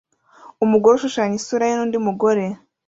Umugore ushushanya isura ye nundi mugore